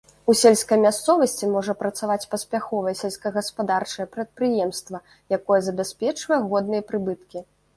У сельскай мясцовасці можа працаваць паспяховае сельскагаспадарчае прадпрыемства, якое забяспечвае годныя прыбыткі.